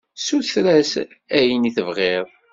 Suter-as ayen i tebɣiḍ.